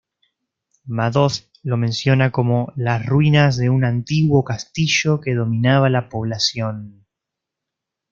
Madoz lo menciona como ""las ruinas de un antiguo castillo, que dominaba la población..."".